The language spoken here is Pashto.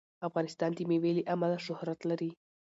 افغانستان د مېوې له امله شهرت لري.